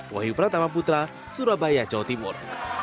wahyu pratama putra surabaya jawa timur